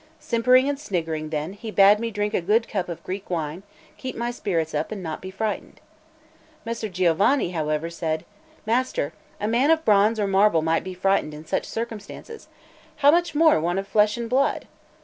Simpering and sniggering, then, he bade me drink a good cup of Greek wine, keep my spirits up, and not be frightened. Messer Giovanni, however, said: "Master, a man of bronze or marble might be frightened in such circumstances. How much more one of flesh and blood!"